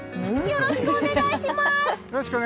よろしくお願いします！